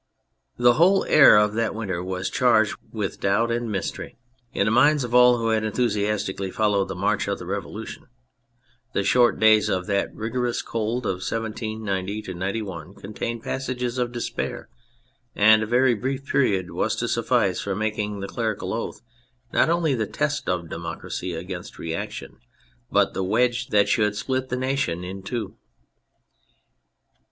The whole air of that winter was charged with doubt and mystery : in the minds of all who had enthusiastically followed the march of the Revolution, the short days of that rigorous cold of 1790 91 contained passages of despair, and a very brief period was to suffice for making the clerical oath not only the test of democracy against reaction, but the wedge that should split the nation in two.